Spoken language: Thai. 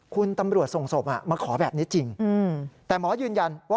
คุณตำรวจส่งศพมาขอแบบนี้จริงแต่หมอยืนยันว่า